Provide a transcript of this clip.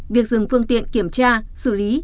việc dừng phương tiện kiểm tra xử lý